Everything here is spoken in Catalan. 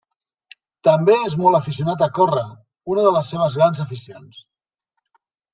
També és molt aficionat a córrer, una de les seves grans aficions.